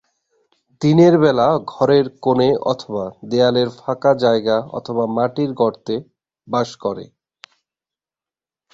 দিনের বেলা ঘরের কোনে অথবা দেয়ালের ফাঁকা জায়গা অথবা মাটির গর্তে বাস করে।